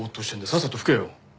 さっさと拭けよ。